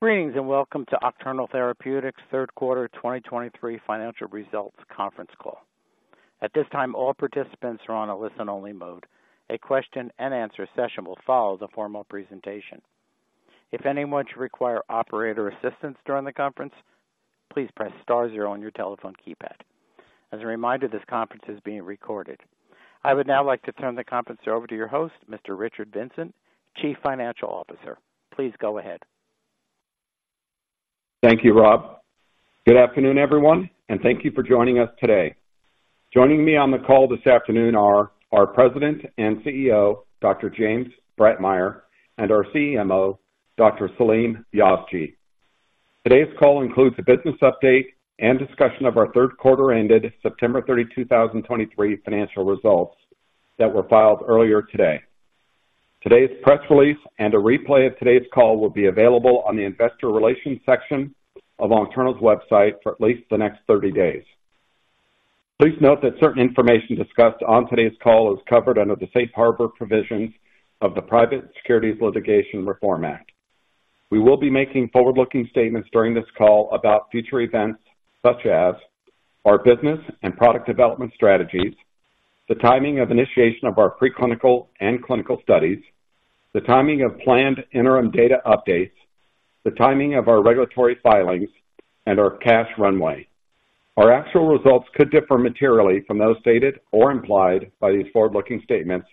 Greetings, and welcome to Oncternal Therapeutics' Third Quarter 2023 Financial Results Conference Call. At this time, all participants are on a listen-only mode. A question-and-answer session will follow the formal presentation. If anyone should require operator assistance during the conference, please press star zero on your telephone keypad. As a reminder, this conference is being recorded. I would now like to turn the conference over to your host, Mr. Richard Vincent, Chief Financial Officer. Please go ahead. Thank you, Rob. Good afternoon, everyone, and thank you for joining us today. Joining me on the call this afternoon are our President and CEO, Dr. James Breitmeyer, and our CMO, Dr. Salim Yazji. Today's call includes a business update and discussion of our third quarter ended September 30, 2023 financial results that were filed earlier today. Today's press release and a replay of today's call will be available on the investor relations section of Oncternal's website for at least the next 30 days. Please note that certain information discussed on today's call is covered under the safe harbor provisions of the Private Securities Litigation Reform Act. We will be making forward-looking statements during this call about future events, such as our business and product development strategies, the timing of initiation of our preclinical and clinical studies, the timing of planned interim data updates, the timing of our regulatory filings and our cash runway. Our actual results could differ materially from those stated or implied by these forward-looking statements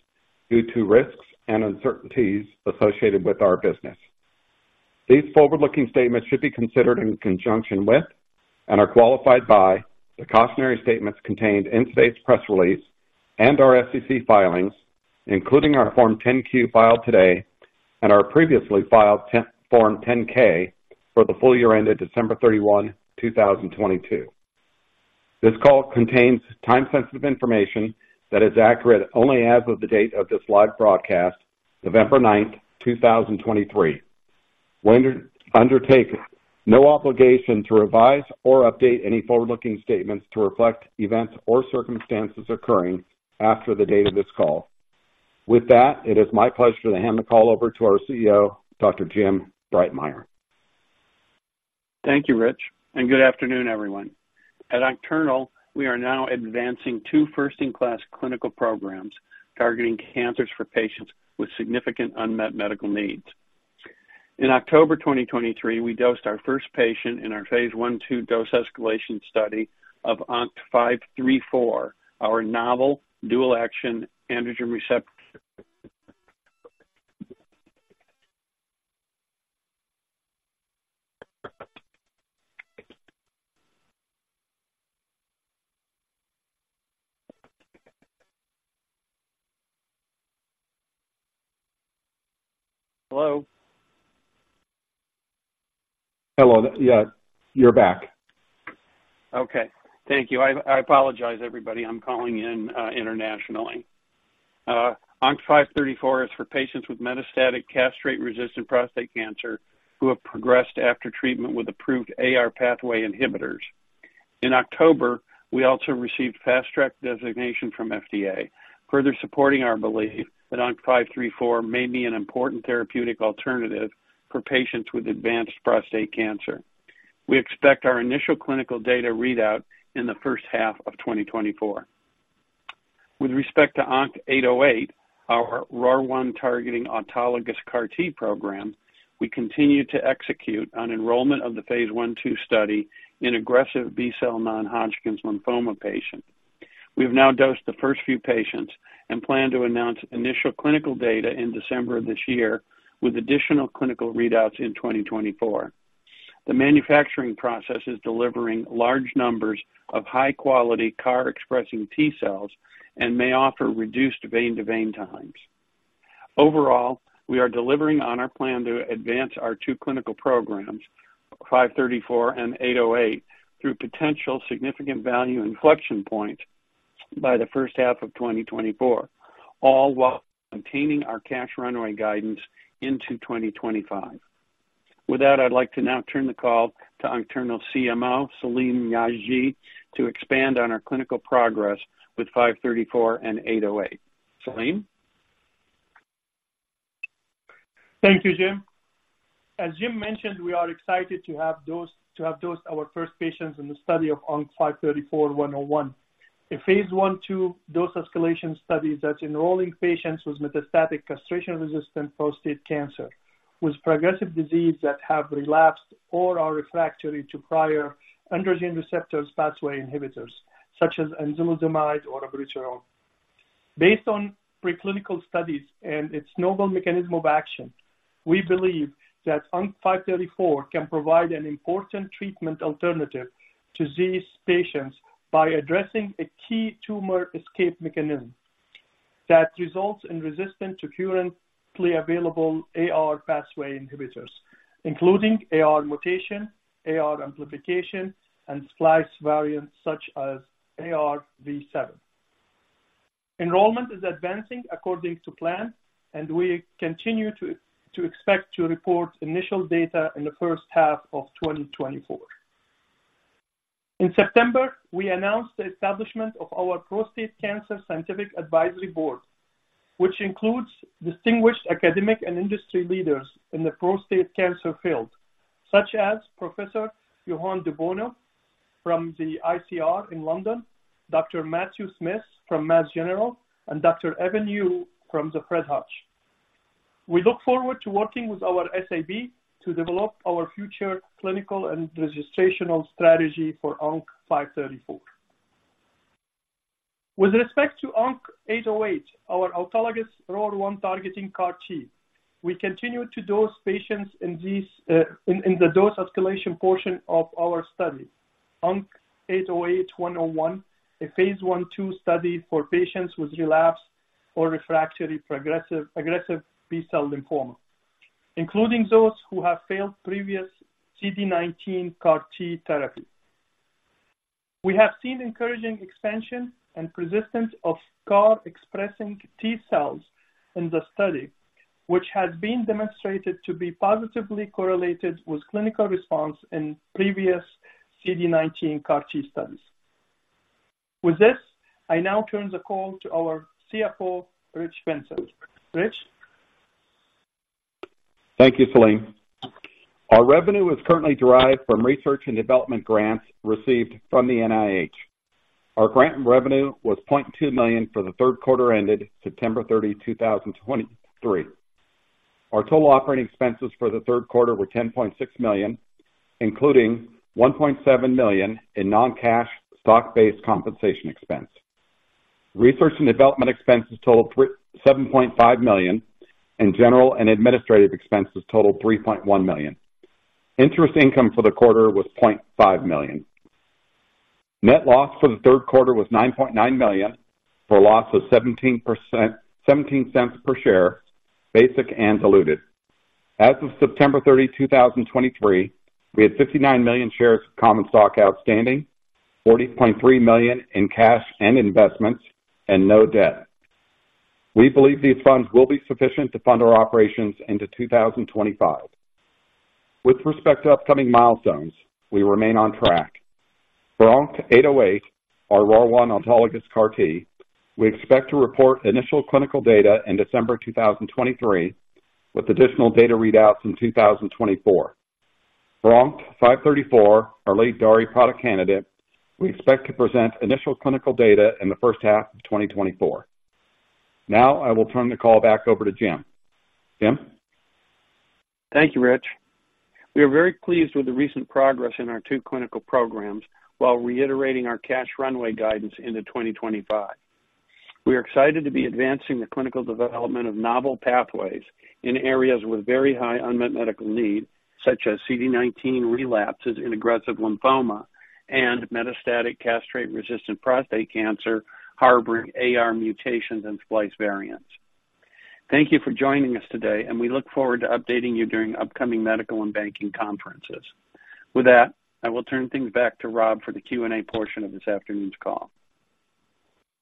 due to risks and uncertainties associated with our business. These forward-looking statements should be considered in conjunction with and are qualified by the cautionary statements contained in today's press release and our SEC filings, including our Form 10-Q filed today and our previously filed Form 10-K for the full year ended December 31, 2022. This call contains time-sensitive information that is accurate only as of the date of this live broadcast, November 9th, 2023. We undertake no obligation to revise or update any forward-looking statements to reflect events or circumstances occurring after the date of this call. With that, it is my pleasure to hand the call over to our CEO, Dr. Jim Breitmeyer. Thank you, Rich, and good afternoon, everyone. At Oncternal, we are now advancing two first-in-class clinical programs targeting cancers for patients with significant unmet medical needs. In October 2023, we dosed our first patient in our phase 1/2 dose escalation study of ONCT-534, our novel dual-action androgen receptor. Hello? Hello. Yeah, you're back. Okay. Thank you. I apologize, everybody. I'm calling in internationally. ONCT-534 is for patients with metastatic castration-resistant prostate cancer who have progressed after treatment with approved AR pathway inhibitors. In October, we also received Fast Track designation from FDA, further supporting our belief that ONCT-534 may be an important therapeutic alternative for patients with advanced prostate cancer. We expect our initial clinical data readout in the first half of 2024. With respect to ONCT-808, our ROR1 targeting autologous CAR T program, we continue to execute on enrollment of the phase 1/2 study in aggressive B-cell non-Hodgkin's lymphoma patients. We've now dosed the first few patients and plan to announce initial clinical data in December of this year, with additional clinical readouts in 2024. The manufacturing process is delivering large numbers of high-quality CAR-expressing T-cells and may offer reduced vein-to-vein times. Overall, we are delivering on our plan to advance our two clinical programs, ONCT-534 and ONCT-808, through potential significant value inflection points by the first half of 2024, all while maintaining our cash runway guidance into 2025. With that, I'd like to now turn the call to Oncternal CMO, Salim Yazji, to expand on our clinical progress with ONCT-534 and ONCT-808. Salim? Thank you, Jim. As Jim mentioned, we are excited to have dosed, to have dosed our first patients in the study of ONCT-534-101, a phase 1/2 dose-escalation study that's enrolling patients with metastatic castration-resistant prostate cancer, with progressive disease that have relapsed or are refractory to prior androgen receptor pathway inhibitors, such as enzalutamide or abiraterone. Based on preclinical studies and its novel mechanism of action, we believe that ONCT-534 can provide an important treatment alternative to these patients by addressing a key tumor escape mechanism that results in resistance to currently available AR pathway inhibitors, including AR mutation, AR amplification, and splice variants such as AR-V7. Enrollment is advancing according to plan, and we continue to expect to report initial data in the first half of 2024. In September, we announced the establishment of our Prostate Cancer Scientific Advisory Board, which includes distinguished academic and industry leaders in the prostate cancer field, such as Professor Johann de Bono from the ICR in London, Dr. Matthew Smith from Mass General, and Dr. Evan Yu from the Fred Hutch. We look forward to working with our SAB to develop our future clinical and registrational strategy for ONCT-534. With respect to ONCT-808, our autologous ROR1 targeting CAR T, we continue to dose patients in the dose escalation portion of our study. ONCT-808-101, a phase 1/2 study for patients with relapsed or refractory progressive, aggressive B-cell lymphoma, including those who have failed previous CD19 CAR T therapy. We have seen encouraging expansion and persistence of CAR-expressing T-cells in the study, which has been demonstrated to be positively correlated with clinical response in previous CD19 CAR T studies. With this, I now turn the call to our CFO, Rich Vincent. Rich? Thank you, Salim. Our revenue is currently derived from research and development grants received from the NIH. Our grant revenue was $0.2 million for the third quarter ended September 30, 2023. Our total operating expenses for the third quarter were $10.6 million, including $1.7 million in non-cash stock-based compensation expense. Research and development expenses totaled seven point five million, and general and administrative expenses totaled $3.1 million. Interest income for the quarter was $0.5 million. Net loss for the third quarter was $9.9 million, for a loss of seventeen cents per share, basic and diluted. As of September 30, 2023, we had 59 million shares of common stock outstanding, $40.3 million in cash and investments, and no debt. We believe these funds will be sufficient to fund our operations into 2025. With respect to upcoming milestones, we remain on track. For ONCT-808, our ROR1 autologous CAR T, we expect to report initial clinical data in December 2023, with additional data readouts in 2024. For ONCT-534, our lead DAARI product candidate, we expect to present initial clinical data in the first half of 2024. Now, I will turn the call back over to Jim. Jim? Thank you, Rich. We are very pleased with the recent progress in our two clinical programs, while reiterating our cash runway guidance into 2025. We are excited to be advancing the clinical development of novel pathways in areas with very high unmet medical need, such as CD19 relapses in aggressive lymphoma and metastatic castrate-resistant prostate cancer, harboring AR mutations and splice variants. Thank you for joining us today, and we look forward to updating you during upcoming medical and banking conferences. With that, I will turn things back to Rob for the Q&A portion of this afternoon's call.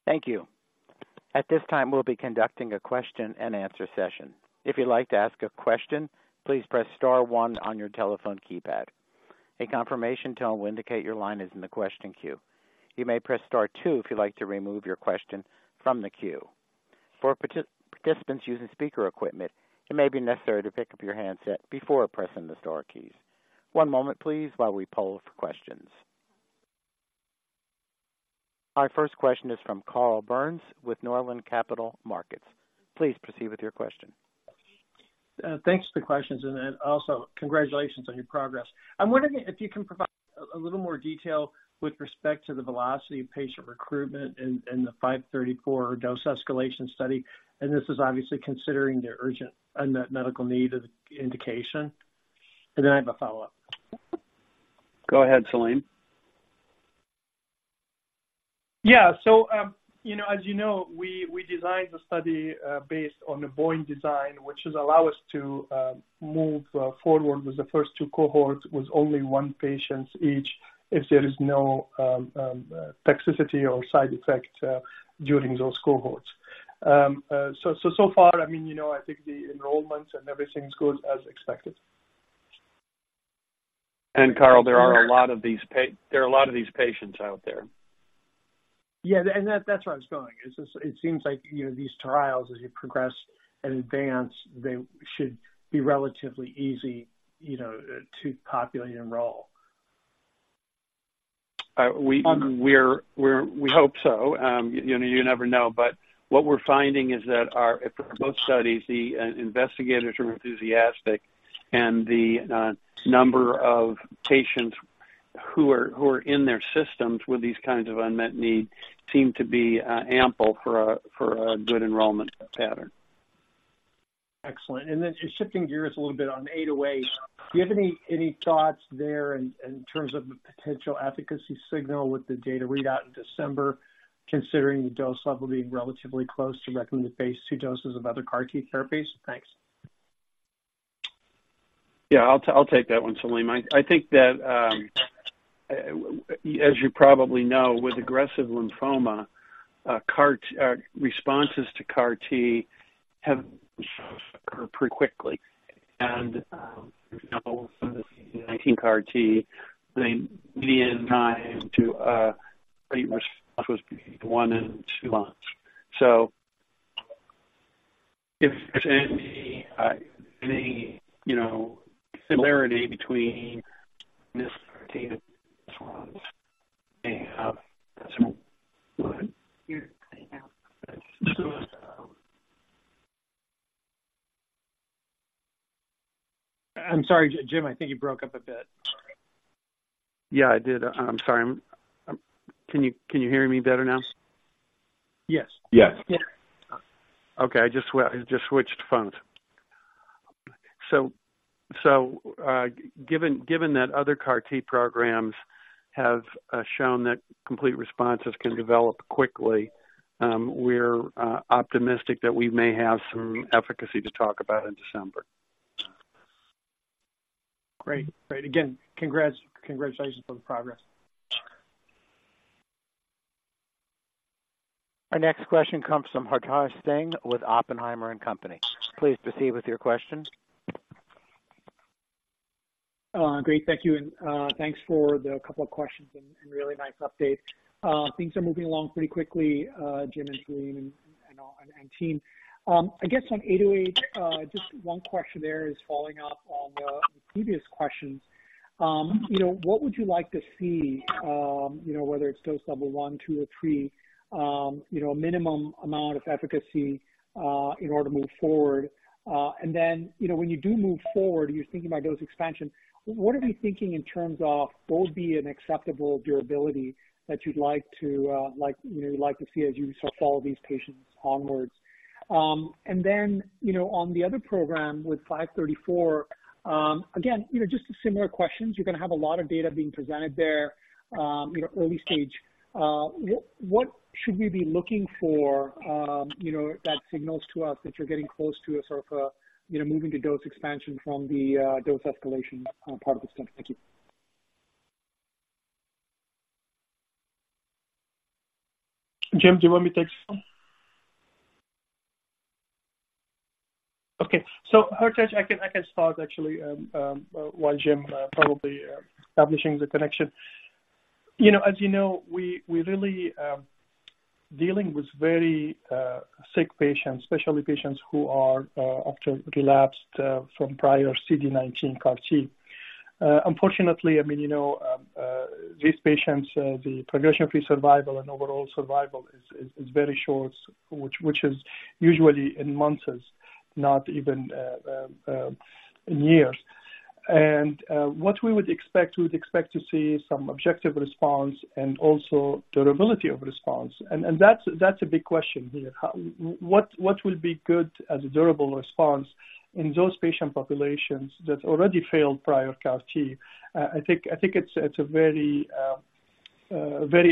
Thank you. At this time, we'll be conducting a question-and-answer session. If you'd like to ask a question, please press star one on your telephone keypad. A confirmation tone will indicate your line is in the question queue. You may press star two if you'd like to remove your question from the queue. For participants using speaker equipment, it may be necessary to pick up your handset before pressing the star keys. One moment, please, while we poll for questions. Our first question is from Carl Byrnes with Northland Capital Markets. Please proceed with your question. Thanks for the questions, and also congratulations on your progress. I'm wondering if you can provide a little more detail with respect to the velocity of patient recruitment in the ONCT-534 dose escalation study, and this is obviously considering the urgent unmet medical need of indication. And then I have a follow-up. Go ahead, Salim. Yeah. So, you know, as you know, we designed the study based on the BOIN design, which should allow us to move forward with the first two cohorts, with only one patient each, if there is no toxicity or side effects during those cohorts. So far, I mean, you know, I think the enrollments and everything is going as expected. And Carl, there are a lot of these patients out there. Yeah, and that, that's where I was going. Is this... It seems like, you know, these trials, as you progress in advance, they should be relatively easy, you know, to populate and enroll. We hope so. You know, you never know, but what we're finding is that our, for both studies, the investigators are enthusiastic, and the number of patients who are in their systems with these kinds of unmet need, seem to be ample for a good enrollment pattern. Excellent. Then just shifting gears a little bit on 808, do you have any thoughts there in terms of the potential efficacy signal with the data readout in December, considering the dose level being relatively close to recommended phase II doses of other CAR T therapies? Thanks. Yeah, I'll take that one, Salim. I think that, as you probably know, with aggressive lymphoma, CAR T, responses to CAR T have some-... pretty quickly. And, you know, from the 19 CAR T, the median time to response was 1-2 months. So if there's any, you know, similarity between this CAR T and response and so what? You're cutting out. I'm sorry, Jim, I think you broke up a bit. Yeah, I did. I'm sorry. Can you, can you hear me better now? Yes. Yes. Okay. I just switched phones. So, given that other CAR T programs have shown that complete responses can develop quickly, we're optimistic that we may have some efficacy to talk about in December. Great. Great. Again, congrats. Congratulations on the progress. Our next question comes from Hartaj Singh with Oppenheimer and Company. Please proceed with your question. Great, thank you. Thanks for the couple of questions and really nice update. Things are moving along pretty quickly, Jim and Salim and team. I guess on 808, just one question there is following up on the previous questions. You know, what would you like to see, you know, whether it's dose level 1, 2, or 3, you know, a minimum amount of efficacy, in order to move forward? And then, you know, when you do move forward, you're thinking about dose expansion, what are you thinking in terms of what would be an acceptable durability that you'd like to, like, you know, you'd like to see as you sort of follow these patients onwards? And then, you know, on the other program with ONCT-534, again, you know, just similar questions. You're gonna have a lot of data being presented there, you know, early stage. What should we be looking for, you know, that signals to us that you're getting close to a sort of a, you know, moving to dose expansion from the dose escalation part of the study? Thank you. Jim, do you want me take this one? Okay, so Hartaj, I can start actually, while Jim probably establishing the connection. You know, as you know, we really dealing with very sick patients, especially patients who are often relapsed from prior CD19 CAR T. Unfortunately, I mean, you know, these patients the progression-free survival and overall survival is very short, which is usually in months, not even in years. And what we would expect, we would expect to see some objective response and also durability of response. And that's a big question here. What will be good as a durable response in those patient populations that already failed prior CAR T? I think it's a very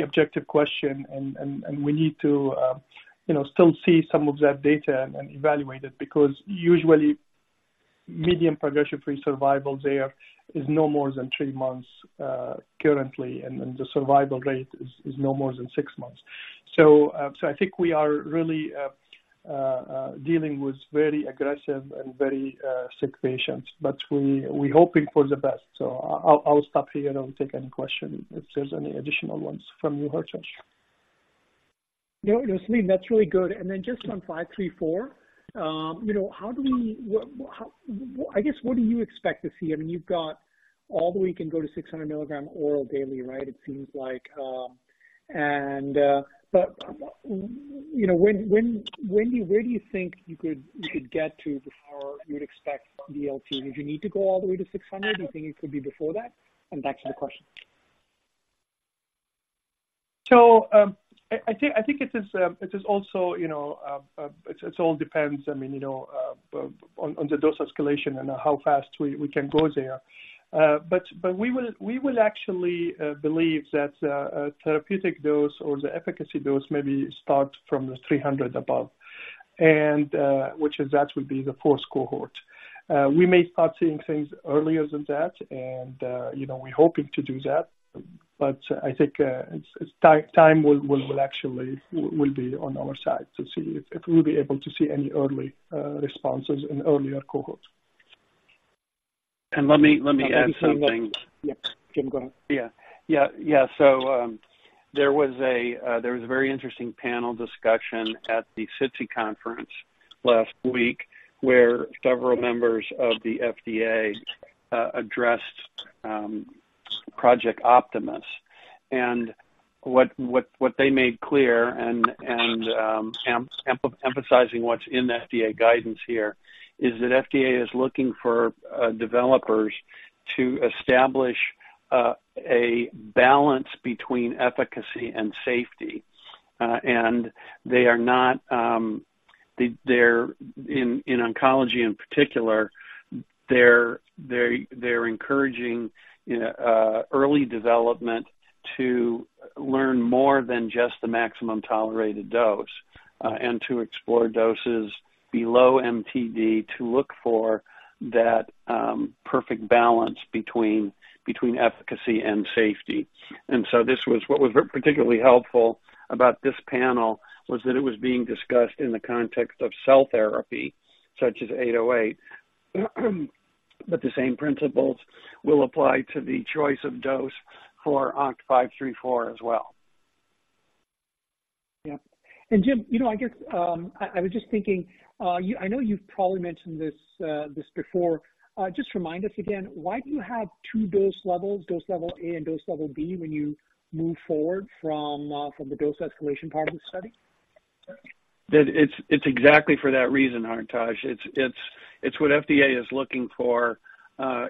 objective question, and we need to, you know, still see some of that data and evaluate it. Because usually median progression-free survival there is no more than three months currently, and then the survival rate is no more than six months. So I think we are really dealing with very aggressive and very sick patients, but we hoping for the best. So I'll stop here and I'll take any questions if there's any additional ones from you, Hartaj. No, no, Salim, that's really good. And then just on 534, you know, how do we-- What, how, I guess, what do you expect to see? I mean, you've got all the way you can go to 600 milligram oral daily, right? It seems like, and, but, you know, when, where do you think you could get to before you would expect DLT? Would you need to go all the way to 600? Do you think it could be before that? And back to the question. I think it is also, you know, it's all depends, I mean, you know, on the dose escalation and how fast we can go there. But we will actually believe that a therapeutic dose or the efficacy dose maybe start from 300 above, and which is that would be the fourth cohort. We may start seeing things earlier than that, and you know, we're hoping to do that. But I think it's time, time will actually be on our side to see if we'll be able to see any early responses in earlier cohorts. Let me, let me add something. Yes, Jim, go ahead. Yeah. Yeah, yeah. So, there was a very interesting panel discussion at the SITC conference last week, where several members of the FDA addressed Project Optimus. And what they made clear and emphasizing what's in the FDA guidance here, is that FDA is looking for developers to establish a balance between efficacy and safety. And they are not, they're in oncology in particular, they're encouraging early development to learn more than just the maximum tolerated dose, and to explore doses below MTD to look for that perfect balance between efficacy and safety. And so this was, what was particularly helpful about this panel, was that it was being discussed in the context of cell therapy, such as 808. ...But the same principles will apply to the choice of dose for ONCT-534 as well. Yeah. And, Jim, you know, I guess, I was just thinking, you, I know you've probably mentioned this, this before. Just remind us again, why do you have two dose levels, dose level A and dose level B, when you move forward from the dose escalation part of the study? That it's exactly for that reason, Hartaj. It's what FDA is looking for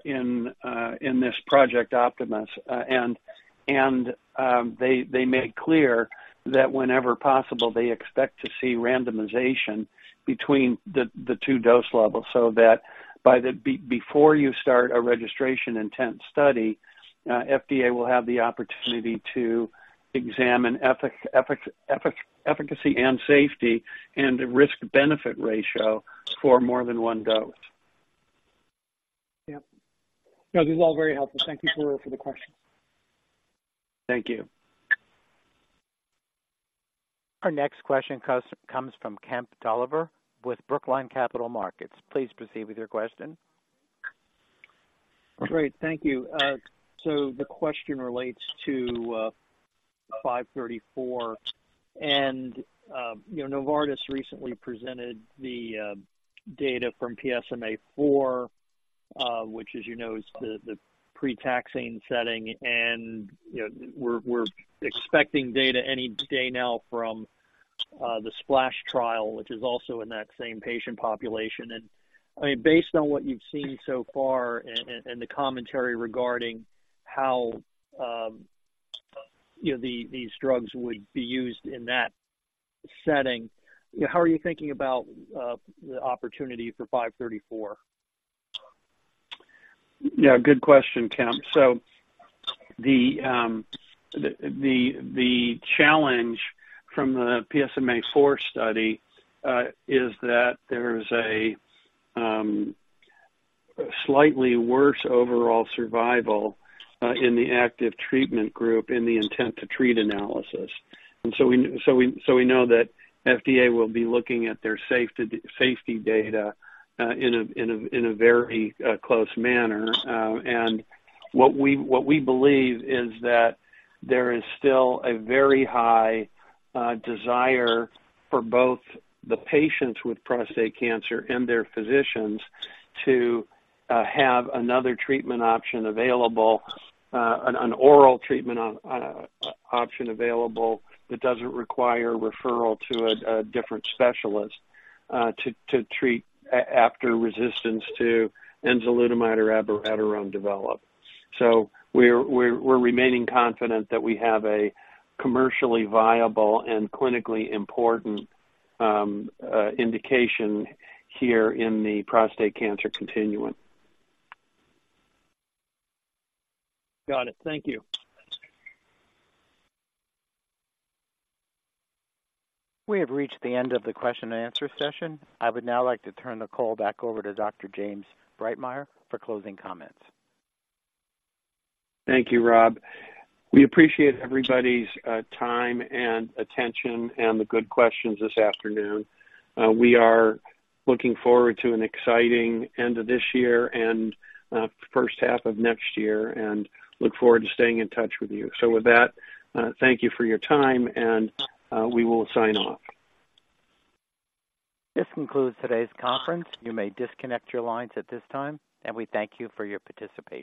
in this Project Optimus. And they make clear that whenever possible, they expect to see randomization between the two dose levels, so that by the before you start a registration intent study, FDA will have the opportunity to examine efficacy and safety and risk-benefit ratio for more than one dose. Yeah. No, this is all very helpful. Thank you for, for the question. Thank you. Our next question comes from Kemp Dolliver with Brookline Capital Markets. Please proceed with your question. Great, thank you. So the question relates to 534. And, you know, Novartis recently presented the data from PSMAfore, which, as you know, is the pre-taxane setting, and, you know, we're expecting data any day now from the SPLASH trial, which is also in that same patient population. And, I mean, based on what you've seen so far and the commentary regarding how, you know, these drugs would be used in that setting, how are you thinking about the opportunity for 534? Yeah, good question, Kemp. So the challenge from the PSMAfore study is that there is a slightly worse overall survival in the active treatment group, in the intent to treat analysis. And so we know that FDA will be looking at their safety data in a very close manner. And what we believe is that there is still a very high desire for both the patients with prostate cancer and their physicians to have another treatment option available, an oral treatment option available, that doesn't require referral to a different specialist to treat after resistance to enzalutamide or abiraterone develop. So we're remaining confident that we have a commercially viable and clinically important indication here in the prostate cancer continuum. Got it. Thank you. We have reached the end of the question and answer session. I would now like to turn the call back over to Dr. James Breitmeyer for closing comments. Thank you, Rob. We appreciate everybody's time and attention and the good questions this afternoon. We are looking forward to an exciting end of this year and first half of next year, and look forward to staying in touch with you. So with that, thank you for your time, and we will sign off. This concludes today's conference. You may disconnect your lines at this time, and we thank you for your participation.